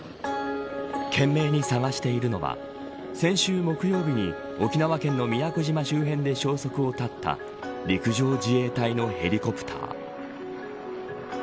懸命に捜しているのは先週木曜日に沖縄県の宮古島周辺で消息を絶った陸上自衛隊のヘリコプター。